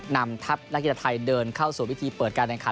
นำทัพนักกีฬาไทยเดินเข้าสู่พิธีเปิดการแข่งขัน